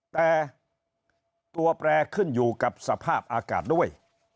แต่ตัวแปรขึ้นอยู่กับสภาพอากาศด้วย